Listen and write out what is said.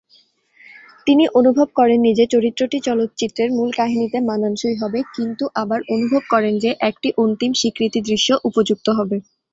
তিনি অনুভব করেননি যে চরিত্রটি চলচ্চিত্রের মূল কাহিনিতে মানানসই হবে, কিন্তু আবার অনুভব করেন যে একটি অন্তিম-স্বীকৃতি দৃশ্য উপযুক্ত হবে।